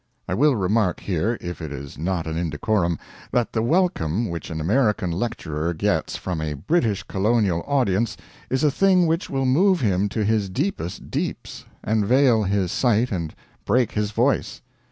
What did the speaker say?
I will remark here if it is not an indecorum that the welcome which an American lecturer gets from a British colonial audience is a thing which will move him to his deepest deeps, and veil his sight and break his voice.